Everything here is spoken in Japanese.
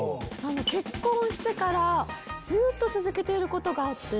結婚してからずっと続けていることがあって。